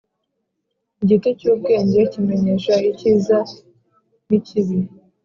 Igiti cy ‘ubwenge kimenyesha icyiza n ikibi.